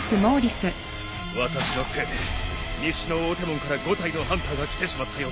私のせいで西の大手門から５体のハンターが来てしまったようだ。